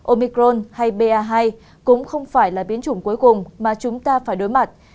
omicron hay ba cũng không phải là biến chủng cuối cùng mà chúng ta phải đối mặt